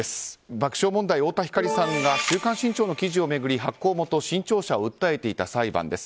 爆笑問題、太田光さんが「週刊新潮」の記事を巡り発行元、新潮社を訴えていた裁判です。